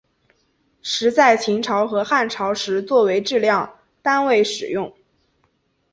石在秦朝和汉朝时作为质量单位使用。